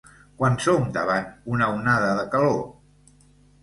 Quan som davant una onada de calor?